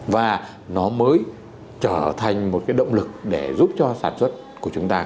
và nó mới trở thành một cái động lực để giúp cho sản xuất của chúng ta